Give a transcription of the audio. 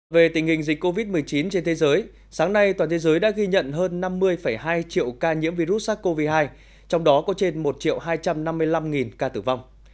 về tình hình dịch covid một mươi chín trên thế giới sáng nay toàn thế giới đã ghi nhận hơn năm mươi hai triệu ca nhiễm virus sars cov hai trong đó có trên một hai trăm năm mươi năm ca tử vong